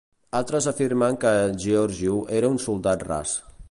Altres afirmen que Georgiou era un soldat ras.